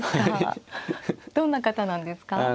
どんな方なんですか。